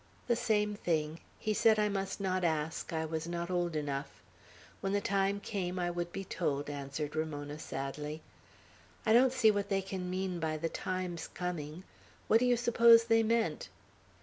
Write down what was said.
"The same thing. He said I must not ask; I was not old enough. When the time came, I would be told," answered Ramona, sadly. "I don't see what they can mean by the time's coming. What do you suppose they meant?"